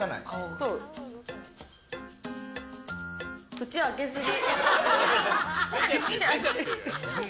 口開けすぎ。